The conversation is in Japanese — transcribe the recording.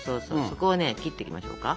そこをね切っていきましょうか。